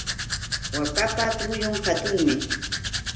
Waakapa tullun hatunmi.